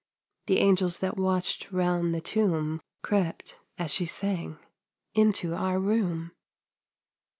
"The angels that watched 'round the tomb" Crept, as she sang, into our room.